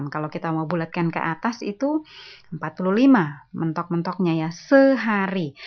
kalau kita mau bulatkan ke atas itu empat puluh lima mentok mentoknya ya sehari